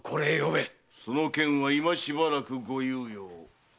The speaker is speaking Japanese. その件は今しばらくご猶予を。